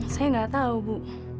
saya nggak tahu bu